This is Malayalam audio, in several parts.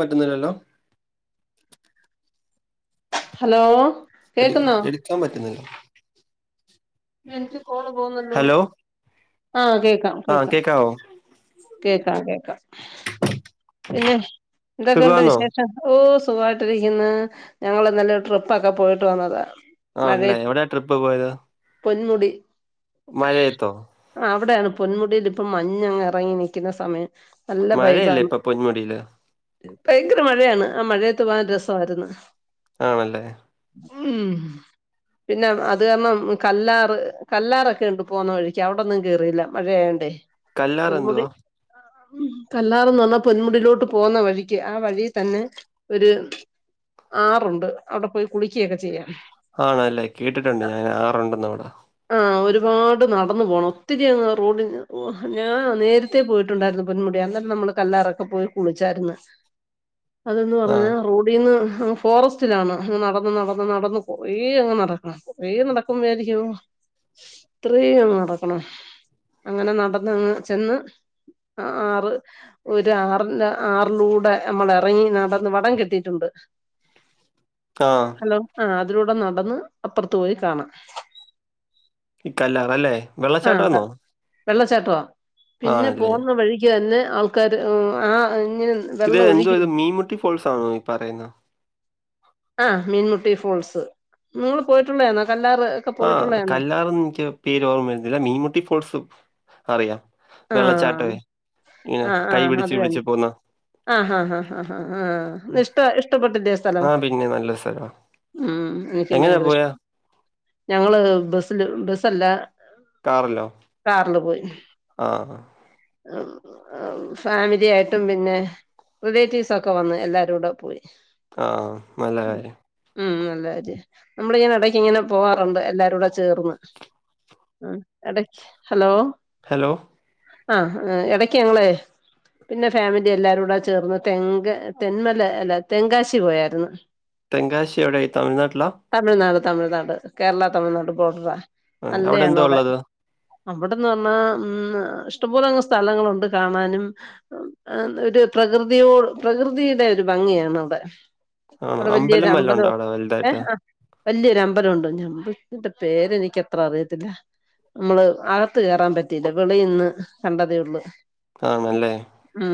മറ്റുന്നില്ലല്ലോ ഹലോ എ കേക്കുന്നോ എടുക്കാൻ പറ്റുന്നില്ലോ എനിക്ക് കോള് പോന്നല്ലോ ആഹ കേക്കാം ആഹ് കേക്കാം കേക്കാവോ കേക്കാം കേക്കാം പിന്നെ എന്തൊക്കെയുണ്ട് സുഖാന്നോ വിശേഷം ഓ സുഖമായിട്ടിരിക്കുന്നു ഞങ്ങൾ ഇന്നലെ ട്രിപ്പ ഒക്കെ പോയിട്ട് വന്നതാ ആണല്ലേ മഴയത്ത് എവിടെയ ട്രിപ്പ് പോയത് പൊന്മുടി മഴയത്തോ അവിടെയാണ് പൊന്മുടിൽ ഇപ്പം മഞ്ഞങ്ങ് ഇറങ്ങി നൽക്കുന്ന സമയം നല്ല മഴയല്ലേ പൈബാണ് ഇപ്പൊ പൊന്മുടിയില് ഭയങ്കര മഴയാണ് ആ മഴയത്ത് പോകൻ രസയിരുന്നു ആണല്ലേ ഉം പിന്നെ അത് കാരണം കല്ലാറ് കല്ലാറൊക്കെ ഉണ്ട് പോകുന്ന വഴിക്ക് അവിടൊന്നും കേറിയില്ല മഴയായൊണ്ടേ കല്ലാർ പൊന്കുടി എന്തുവാ ഉ കല്ലാറന്ന് പറഞ്ഞാൽ പൊന്മുടിയിലോട്ട് പോകുന്ന വഴിക്ക് ആ വഴി തന്നെ ഒരു ആറുണ്ട് അവിടെ പോയി കുളിക്കുകയൊക്കെ ചെയ്യാം ആണല്ലേ കേട്ടിട്ടുണ്ട് ഞാൻ ആറുണ്ടന്ന അവിടെ ആഹ് ഒരുപാട് നടന്നു പോണം ഒത്തിരി അ റോഡിൽ ഞാൻ [unintelligible] നേർത്തെ പോയിട്ടുണ്ടായിരുന്നു പൊന്മുടി അന്നേരം നമ്മൾ കല്ലറൊക്കെ പോയി കുളിച്ചായിരുന്നു അതന്ന് പറഞ്ഞ ആഹ് റോഡീന്ന് ഫോറസ്റ്റിലാണ് അങ് നടന്ന് നടന്ന് നടന്ന് കുറെ അങ്ങ് നടക്കണം കുറെ നടക്കുമ്പ ആയിരിക്കു ഇത്രയും അങ്ങ് നടക്കണോ അങ്ങനെ നടന്ന്ന്ന് ചെന്ന് ആറ് ഒരു ആറിന്റെ ആറിലൂടെ നമ്മള ഇറങ്ങി നടന്ന് വടം കെട്ടിയിട്ടുണ്ട് ആഹ് ഹലോ ആഹ് അതിലൂടെ നടന്ന് അപ്പുറത്ത് പോയി കാണാം ഈ കല്ലാർ അല്ലേ വെള്ളച്ചാട്ടം ആണോ വെള്ളച്ചാട്ട പിന്നെ പോകുന്ന വഴിക്ക് തന്നെ ആൾക്കാർ ആ ഇങ് ഇത് ന്റെ ഒരു മീൻമുട്ടി ഫോൾസ് ആണോ ഈ പറയുന്നത് ആഹ് മീൻമുട്ടി ഫോൾസ് നിങ്ങള്ൾ പോയിട്ടുള്ളേന്നോ കല്ലാറ് ഒക്കെ ആഹ് പോയിട്ടുള്ളതാണോ കല്ലാറന്ന് എനിക്ക് പേര് ഓർമ്മ വരുന്നില്ല മീൻമുട്ടി ഫോൾസും അറിയാം ആ വെള്ളച്ചാട്ടമേ കൈ പിടിച്ചു പിടിച്ചു പിടിച്ച് പോകുന്ന ആഹ് ആഹ് ആഹ് ആഹ ഇഷ്ട ഇഷ്ടപ്പെട്ടിലെ സ്ഥലം ആഹ് പിന്നെ നല്ല സ്ഥലമാ ഉം എനിക്കും ഭയങ്കര ഇഷ്ടം ഞങ്ങള് ബസില് ബസല്ല കാറിലോ ആഹ് ആഹ് ആഹ് ആഹ് ഫാമിലി ആയിട്ടും പിന്നെ റിലേറ്റീവ്സ് ഒക്കെ വന്ന് എല്ലാരൂടെ പോയി ആഹ് നല്ല കാര്യം ഉം ഉം നല്ല കാര്യം നമ്മളിങ്ങനെ എടക്കിങ്ങനെ പോകാറുണ്ട് എല്ലാരൂടെ ചേർന്ന് എടക്ക് ഹലോ ഹലോ ആഹ് എടയ്ക്ക് ഞങ്ങളെ പിന്നെ ഫാമിലി എല്ലാരും കൂടെ ചേർന്ന് തെങ് തെന്മല അല്ല തെങ്കാശി പോയാരുന്നു തെങ്കാശി എവിടെ തമിഴ്നാട്ടിലാ തമിഴ്നാട് തമിഴ്നാട് കേരള തമിഴ്നാട് ബോർഡറാ ആഹ് അവിടെ എന്തോ നല്ലയാണവടെ ഉള്ളത്? അവിടെന്ന് പർന്ന ഉം ഇഷ്ടംപോല സ്ഥലങ്ങളുണ്ട് കാണാനും ഒരു പ്രകൃതിയോട് പ്രകൃതിയുടെ ഒരു ഭംഗിയാണ് അവിടെ ആണോ അവിടെ വല്യൊരു വല്ലോം ഉണ്ടോ അമ്പലം അവിടെ വലുതായിട്ട്? ഏഹ് ആഹ് വല്യൊരു അമ്പലവൊണ്ട് [unintelligible] പേര് എനിക്കത്ര അറിയത്തില്ല നമ്മള് അകത്ത് കേറാൻ പറ്റിയില്ല വെളിനിന്ന് കണ്ടതേ ഉള്ളു ആണല്ലേ ഉം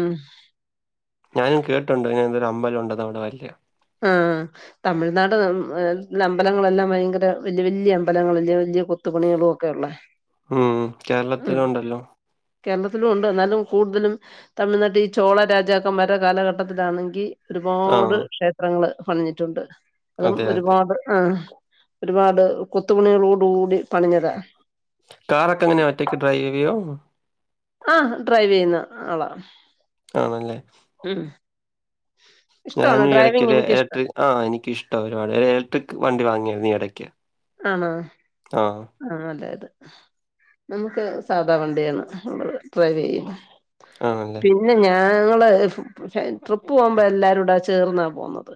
ഞാനും കേട്ടിട്ടൊണ്ട് ഇങ്ങനെത്തൊരമ്പലം ഉണ്ടെന്ന് അവിടെ വല്യ ആഹ് തമിഴ്നാട് അമ്പലങ്ങളെല്ലാം ഭയങ്കര വല്യ വല്യ അമ്പലങ്ങളല്ല വല്യ കു ത്തു പണികളുവൊക്കെ ഒള്ളെ ഉം ഉം കേരളത്തിലും ഒണ്ടല്ലോ കേരളത്തിലും ഒണ്ട് എന്നാലും കൂടുതലും തമിഴ്നാട്ടി ഈ ചോള രാജാക്കൻമാരുടെ കാലഘട്ടത്തിലാണെങ്കി ഒരുപാട് ആഹ്. ക്ഷേത്രങ്ങള് പണിഞ്ഞിട്ടുണ്ട് അതും അതെ അതെ. ഒരുപാട് ആഹ് ഒരുപാട് കൊത്തുപണികളോടു കൂടി പണിഞ്ഞതാ കാറൊക്കെ എങ്ങനെയാ ഒറ്റക്ക് ഡ്രൈവെയ്യോ ആഹ് ഹ ഡ്രൈവ് ചെയ്യുന്ന ആളാ ആണല്ലേ ഉം ഉം ഇഷ്ടവാണ് ഞാനും ഡ്രൈവിങ് ഇടയ്ക്കൊരു എനിക്കിഷ്ട ഇലക്ട്രിക് ആഹ് എനിക്ക് ഇഷ്ടം ഒരുപാട് ഒരു എലക്ട്രിക്ക് വണ്ടി വാങ്ങിയായിരുന്നു ഈ എടയ്ക്ക് ആണോ ആഹ് അതാ നല്ലത് നമുക്ക് സാധാ വണ്ടിയാണ് ഒള്ളത് ഡ്രൈവ് ചെയ്യാൻ ആണല്ലേ പിന്നെ ഞാ ഞങ്ങള് ട്രിപ്പ് പോകുമ്പോ എല്ലാരൂടെ ചേർന്നാ പോകുന്നത്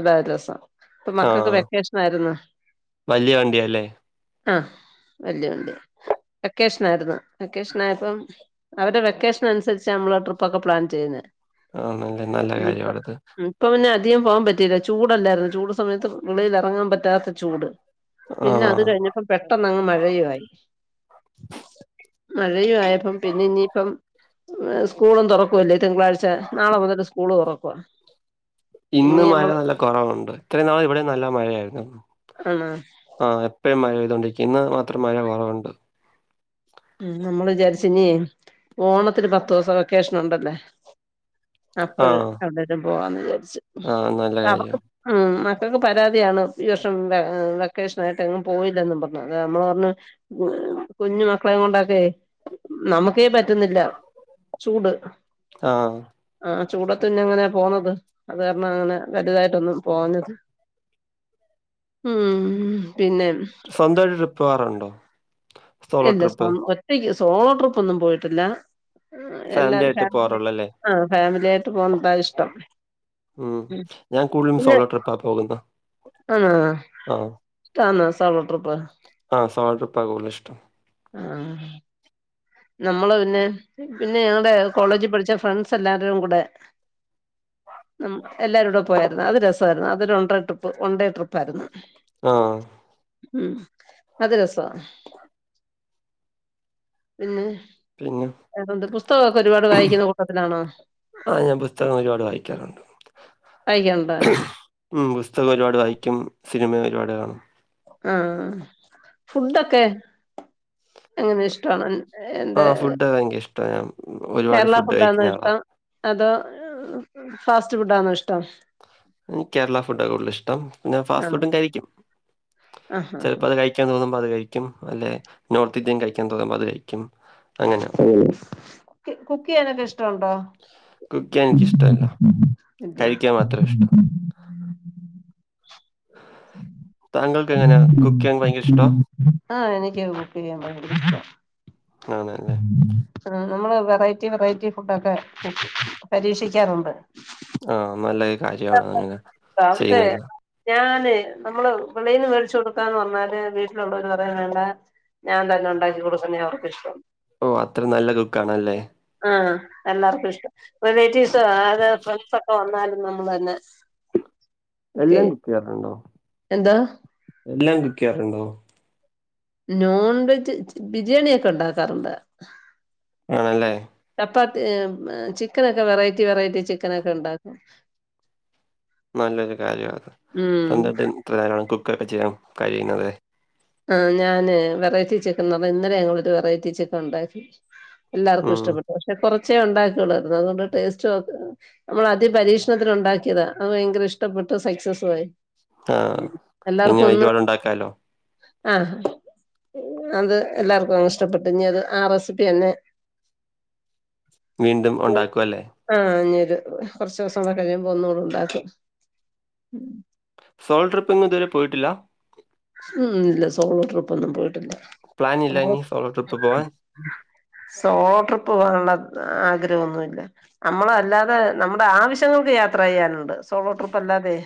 അതായ ദിവസം ഇപ്പ മക്കൾക്ക് വെക്കേഷനാരുന്നു വല്യ വണ്ടിയാ ല്ലേ ആഹ് വല്യ വണ്ടിയാ വെക്കേഷൻ ആരുന്ന് വെക്കേഷൻ ആയപ്പം അവരുടെ വെക്കേഷനനുസരിച്ചാ മ്മള് ട്രിപ്പ് ഒക്കെ പ്ലാൻ ചെയ്യുന്നെ ആണല്ലേ നല്ല ഇനിയിപ്പ കാര്യവാണത് ഇപ്പൊ പിന്നെ അധികം പോകാൻ പറ്റിയില്ല ചൂടല്ലാരുന്നോ ചൂട് സമയത്ത് വെളീൽ എറങ്ങാൻ പറ്റാത്ത ചൂട് പിന്ന അത് ആഹ്. കഴിഞ്ഞപ്പം പെട്ടെന്ന് അങ്ങ് മഴയു വായി മഴയും ആയപ്പം പിന്നെ ഇഞ്ഞി ഇപ്പം സ്കൂളും തുറക്കുവല്ലെ തിങ്കളാഴ്ച്ച നാളെ മുതൽ സ്കൂൾ തുറക്കുവാ ഇന്ന് ഇനി മഴ നമ്മള് നല്ല കൊറവുണ്ട് ഇത്രയും നാൾ ഇവിടെം നല്ല മഴയായിരുന്നു ആന്നോ ആഹ് എപ്പഴും മഴ പെയ്തൊണ്ടിരിക്കും ഇന്ന് മാത്രം മഴ കൊറവുണ്ട് ഉം നമ്മൾ വിചാരിച്ച് ഇഞ്ഞെയ് ഓണത്തിന് പത്തു ദുവ്സം വെക്കേഷൻ ഉണ്ട് അല്ലെ ആ, അപ്പഴ് അന്നേരം പോവാന്ന് വിചാര്ച്ച് ആ നല്ല അവക്ക് കാര്യം. ഉം മക്കക്ക് പരാതിയാണ് ഈ വർഷം വെ വെക്കേഷൻ ആയിട്ട് എങ്ങും പോയില്ലെന്നും പർണ് അത് നമ്മൾ പർണ് [unintelligible] കുഞ്ഞു മക്ക ളെം കൊണ്ടൊക്കെയ് നമുക്കെ പറ്റുന്നില്ല ചൂട് ആ ആഹ് ചൂടത്ത് പിന്നെ എങ്ങനെ പോന്നെത് അത് കാരണം അങ്ങനെ കരുതായിട്ടൊന്നും പോവഞ്ഞെത് ഉം പിന്നെ സ്വന്തം ആയിട്ട് ട്രിപ്പ് പോവാറുണ്ടോ? സോളോ ഇല്ല ട്രിപ്പ്? സ്വം ഒറ്റെക്ക് സോളോ ട്രിപ്പ് ഒന്നും പോയിട്ട് ഇല്ല എല്ലാരും ആയിട്ട് ഫാമിലി ആയി പോവാറുള്ളൂ അല്ലേ? ആഹ് ഫാമിലി ആയിട്ട് പോണതാ ഇഷ്ടം ഉം ഞാൻ കൂട്തെലും സോളോ ട്രിപ്പാ പോകുന്നത്. ആന്നോ? ആ, ഇഷ്ടാന്നോ സോളോ ട്രിപ്പ്? ആഹ് സോൾ ട്രിപ്പാ കൂട്തെൽ ഇഷ്ടം ആഹ് നമ്മൾ പിന്നെ പിന്നെ ഞങ്ങൾടെ കോളേജിൽ പഠിച്ച ഫ്രണ്ട്സ് എല്ലാവരും കൂടെ നമ്മ് എല്ലാരുടെ പോയായിരുന്നു. അത് രസായിരുന്നു അതൊരു വൺണ്ട്ര ട്രിപ്പ് വണ്ടേ ട്രിപ്പായിയിരുന്നു. ആഹ് ഉം അത് രസവാ പിന്നെ പിന്നെ വെറെ എന്തൊക്കെ പുസ്തകം ഒക്കെ ഒരുപാട് വായിക്കുന്ന കൂട്ടത്തിലാണോ ആഹ് ഞാൻ പുസ്തകം ഒരുപാട് വായിക്കാറുണ്ട് വായിക്കെൽണ്ടാ? ഉം പുസ്തകം ഒരുപാട് വായിക്കും സിനിമ ഒരുപാട് കാണും ആഹ് ഫുഡൊക്കെ? എങ്ങനെ ഇഷ്ടാണോ ഇൺ എന്താ ഫുഡൊക്കെ ഇൻക്ക് ഇഷ്ടാ ഞാൻ ഒരുപാട് കേരള ഫുഡ് ഫുഡാണോ കഴിക്കുന്ന ആളാ ഇഷ്ടം അതോ ഫാസ്റ്റ് ഫുഡാന്നോ ഇഷ്ടം? ഇൻക്ക് കേരളാ ഫുഡാ കൂട്തെൽ ഇഷ്ടം ഇന്നാ ഫാസ്റ്റ് ആണോ ഫുഡും കാഴിക്കും ആഹാ ചെലപ്പം അത് കഴി ക്കാൻ തോന്നുമ്പോ അത് കഴിക്കും അല്ലെ നോർത്ത് ഇന്ത്യൻ കഴിക്കാൻ തോന്നുമ്പോ അത് കഴിക്കും അങ്ങനെ ഉം കുക്കി കുക്ക് ചെയ്യാനൊക്കെ ഇഷ്ടം ഇണ്ടോ? [inaudible] കുക്ക് ചെയ്യാൻ എനിക്കിഷ്ടല്ല. എന്തുവാ [inaudible] [inaudible] കഴിക്കാൻ മാത്രേ ഇഷ്ടം. താങ്കൾക്ക് എങ്ങനെയാ? കുക്ക് ചെയ്യാൻ ഭയങ്കര ഇഷ്ടാ? ആഹ് എനിക്കും കുക്ക് ചെയ്യാൻ ഭയങ്കര ഇഷ്ടവാ ആണ് അല്ലെ? ആഹ് നമ്മൾ വെറൈറ്റി വെറൈറ്റി ഫുഡൊക്കെ പരീക്ഷിക്കാറുണ്ട് ആഹ് നല്ലൊരു കാര്യവാണ് അങ്ങനെ ഓക്കെ ചെയ്യ്ന്നെത് ഞാന് നമ്മൾ വെളയിന്ന് വേട്ച്ച് കൊടുക്കാന്ന് പർണാൽ വീട്ടിലള്ളോര് പറയും വേണ്ടാ ഞാൻ തന്നെ ഉണ്ടാക്കി കൊട്ക്കുന്നെ അവർക്ക് ഇഷ്ടം. ഓ അത്ര നല്ല കുക്കാണല്ലേ ആഹ് എല്ലാർക്കും ഇഷ്ടം, റിലേറ്റീവ്സൊ അരാ ഫ്രണ്ട്സൊക്കെ വന്നാലും നമ്മള് തന്നെ ഉ [unintelligible] എല്ലാം കുക്കെയ്യാറുണ്ടോ എന്ത്‌.. എല്ലാം കുക്കെയ്യാറുണ്ടോ നോൺ വെജ് ബിരിയാണിയക്കെ ഉണ്ടാക്കാറുണ്ട് ആണല്ലേ ചപ്പാത്തി എ മ ചിക്കനൊക്കെ വെറൈറ്റി വെറൈറ്റി ചിക്കനൊക്കെ ഉണ്ടാക്കും നല്ലൊരു കാര്യവാത്. ഉം സ്വന്തട്ടും ഇത്ര നേര കുക്കൊക്കെ ചെയ്യാൻ കഴിയുന്നതേ ആഹ് ഞാന് വെറൈറ്റി ചിക്കൻന്ന് പറഞ്ഞ ഇന്നലെ ഞങ്ങളൊരു വെറൈറ്റി ചിക്കൻ ഉണ്ടാക്കി എല്ലാർക്കും ഉം. ഇഷ്ടപ്പെട്ടു, പക്ഷെ കൊറച്ചേ ഉണ്ടാക്കിട്ടൊള്ളുവായിരുന്നു. അതുകൊണ്ട് ടേസ്റ്റ് നോക്കി നമ്മളാദ്യ പരീക്ഷണത്തിന് ഉണ്ടാക്കിയതാ, അത് ഭയങ്കര ഇഷ്ടപ്പെട്ടു സക്സസ്സു ആയി ആഹ് ഇനി എല്ലാർക്കും ഒന്ന് ഒരുപാടുണ്ടാക്കാലോ ആഹ് അത് എല്ലാർക്കും അങ്ങ് ഇഷ്ടപ്പെട്ടു ഇനി അത് ആ റെസിപ്പി തന്നെ വീണ്ടും ഒണ്ടാക്കും അല്ലേ ആഹ് ഞ്ഞൊര് കൊർച്ച് ദിവസം കൂടെ കഴിയുമ്പോ ഒന്നൂടെണ്ടാക്കും സോൾ ട്രിപ്പ്ങ്തുവരെ പോയിട്ടില്ല ഉം ഇല്ല സോളോ ട്രിപ്പൊന്നും പോയിട്ടില്ല. പ്ലാൻ ഇല്ല നമ്മള് ഇനി സോളോ ട്രിപ്പ് പോവാൻ? സോളോ ട്രിപ്പ് പോകാനുള്ള ആഗ്രഹൊന്നുല്ല നമ്മളല്ലാതെ നമ്മുടെ ആവശ്യങ്ങൾക്ക് യാത്ര ചെയ്യാനുണ്ട് സോളോ ട്രിപ്പല്ലാതെ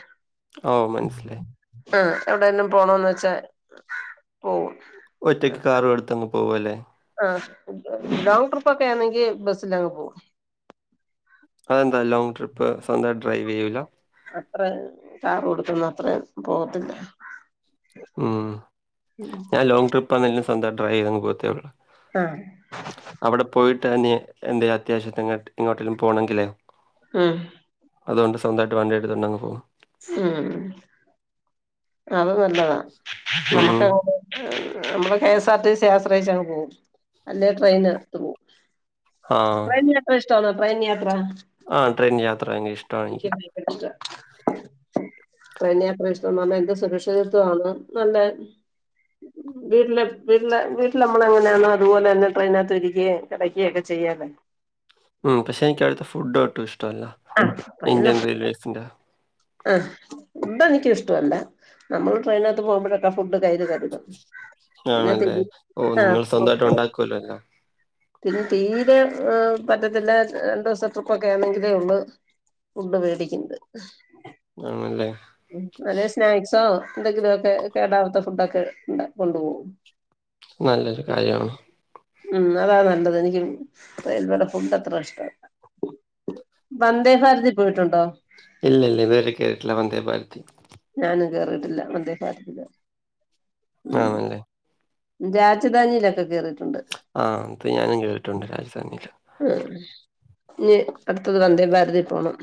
ഓ മൻസ്സിലായി ആഹ് എവിടേലും പോണോന്ന് വെച്ചാ പോവും ഒറ്റയ്ക്ക് കാറും എടുത്തങ്ങ് പോവലേ ആഹ് ലോങ്ങ് ട്രിപ്പൊക്കെ ആന്നെങ്കി ബസ്സിലങ് പോവും അതെന്താ ലോങ് ട്രിപ്പ് സ്വന്തായിട്ട് ഡ്രൈവെയ്യൂല അത്ര കാറും എടുത്തൊന്നു അത്രയും പോവത്തില്ല ഉം ഞാൻ ലോങ് ട്രിപ്പ് ആന്നേങ്കിലും സ്വന്താട്ട് ഡ്രൈവ് ചെയ്തങ്ങ് പോത്തെള്ളൂ ആഹ് അവിടെ പോയിട്ടനീയെ എന്തെ അത്യാവശ്യത്തിന് എങ്ങോട്ടെലും പോണെങ്കിലേ ഉം അതുകൊണ്ട് സ്വന്തായിട്ട് വണ്ടിയെടുത്തോണ്ടങ് പോന്നു ഉം അത് നല്ലതാ ഉം. നമുക്കങ്ങനെ ഉം നമ്മള് K S R T C ആശ്രയിച്ചങ്ങ് പോവും. അല്ലേ ട്രെയിനത്ത് പോവും ആ. ട്രെയിൻ യാത്ര ഇഷ്ട്ടാന്നോ ട്രെയിൻ യാത്ര ആഹ് ട്രെയിൻ യാത്ര ഭയങ്കരഇഷ്ട്ടവാണെനിക്ക് എനിക്കിഷ്ട്ട ട്രെയിൻ യാത്ര ഇഷ്ട്ടാവാന്നർഞ്ഞാ എന്ത് സുരക്ഷിതത്വണ്. നല്ലെ ഉം വീട്ടില് വീട്ടില് വീട്ടിലമ്മളെങ്ങനെയാണോ അതുപോലെ തന്നെ ട്രെയിനകത്ത് ഇരിക്കുകയയും കെടക്കുകയും ഒക്കെ ചെയ്യാലൊ ഉം പക്ഷെ എനിക്കവടുത്തെ ഫുഡ്‌ ഒട്ടു ഇഷ്ടല്ല. ആഹ് ട്രെയിനില് ഇന്ത്യൻ റെയിൽവേസിന്റെ ആഹ് ഫുഡ് എനിക്കു ഇഷ്ടവല്ല. നമ്മള് ട്രെയിനകത്ത് പോകുമ്പഴൊക്കെ ഫുഡ് കയ്യിൽ കരുതും പിന്നെ ആണല്ലേ തീരെ ഓഹ് ആഹ് നിങ്ങൾ സ്വന്തായിട്ട് ഉണ്ടാക്കുവല്ലോഎല്ലാം പിന്നെ തീരെ എ പറ്റത്തില്ല രണ്ടു ദിവസ ട്രിപ്പൊ ക്കെ ആണെങ്കിലേ ഉള്ളു ഫുഡ്‌ വേടിക്കുന്നത് ആണല്ലേ ഹ്മ്മ് അല്ലെ സ്നാക്സോ എന്തെങ്കിലൊക്കെ കേടാവാത്ത ഫുഡൊക്കെ ഉണ്ടെ കൊണ്ടുപോകും നല്ലൊരു കാര്യാണ്. ഹ്മ്മ് അതാ നല്ലത് എനിക്ക് റെയിൽവയുടെ ഫുഡത്ര ഇഷ്ടല്ല വന്ദേഭാരതി പോയിട്ടുണ്ടോ ഇല്ല ഇല്ല ഇത് വരെ കേറിട്ട്ല്ല വന്തേ ഭാരതത്തി ഞാനും കേറിട്ടില്ല വന്ദേ ഭാരതത്തില് ആണല്ലേ രാജധാനിയിലൊക്കെ കേറിട്ടുണ്ട് ആഹ് അത് ഞാനും കേറിട്ടുണ്ട് രാജധാനിയില് ആഹ് ഇനി അടുത്തത് വന്ദേഭാരതിൽ പോണം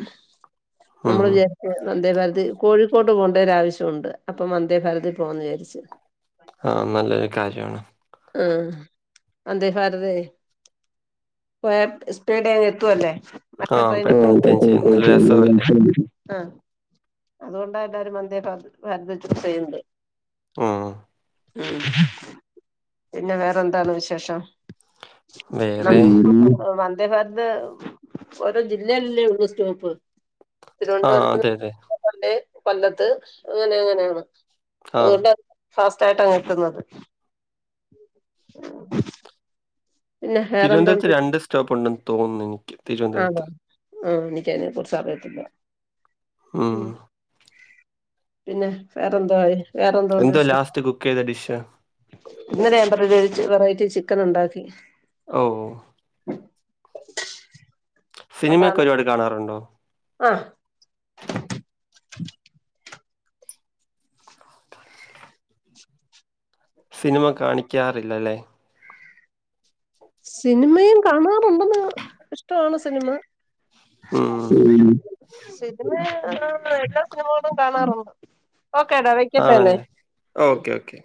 ഉം ഉം നമ്മള്ല്ലെ വന്ദേഭാരതി കോഴിക്കോട്ട് പോകേണ്ട ഒരാവശ്യവുണ്ട് അപ്പൊ വന്ദേഭാരതത്തിൽ പോവാന്ന് വിചാരിച്ച് ആഹ് നല്ലൊരു കാര്യവാണ്. ഹ്മ്മ് വന്ദേഭാരതെ വേം സ്പീടങ്ങ് എത്തുവല്ലേ ആഹ് പെട്ടെന്ന് എത്തുകയും ചെയ്യും നല്ല രസവുമല്ലേ. [unintelligible] ആഹ് അതുകൊണ്ടാ എല്ലാവരും വന്ദേഭാരത് ഭാരത് ചൂസെയ്യ്ണ്ട്. ഹ്മ്മ് ഹ്മ്മ്, പിന്നെ വേറെന്താണ് വിശേഷം വേറെ വന്ദേഭാരത് ഒര് ജില്ലേലല്ലേ ഒള്ളൂ സ്റ്റോപ്പ് ആഹ് തിരുവനന്തപുരത്ത് അതെ അതെ തൊട്ട് കൊല്ലത്ത് അങ്ങനെ എങ്ങനോ ആണ്. ആഹ് അതുകൊണ്ട് ഫാസ്റ്റായിട്ടങ്ങ് എത്തുന്നത്. പിന്നെ വേറെന്തുണ്ട് തിരുവനന്തപുരത്ത് രണ്ട് സ്റ്റോപ്പുണ്ടെന്ന് തോന്നുന്നു എനിക്ക് ആണോ തിരുവനന്തപുരത്ത്. ആഹ് എനിക്കതിനെ കുറിച്ചറിയത്തില്ല ഹ്മ്മ് പിന്നെ വേറെഎന്തുവായി എന്തുവാ ലാസ്റ്റ് കുക്ക് ചെയ്ത ഡിഷ് ഇന്നലെ ഞാൻ പറഞ്ഞില്ലേ ഒ ഒരു വെറൈറ്റി ചിക്കനുണ്ടാക്കി ഓഹ് [inaudible] സിനിമയൊക്കെ അതാണ് ഒരുപാട് കാണാറുണ്ടോ ആഹ്. സിനിമ കാണിക്കാറില്ലല്ലേ സിനിമയും കാണാറുണ്ടെന്ന് ഇഷ്ടമാണ് സിനിമ ഉം ഹ്മ്മ്, സിനിമ എല്ലാ സിനിമകളും കാണാറുണ്ട്. ഓക്കെടാ വെക്കട്ടെന്നെ ആണല്ലേ ഓക്കെ ഓക്കെ.